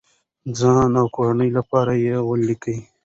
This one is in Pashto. د ځان او کورنۍ لپاره یې ولګوئ.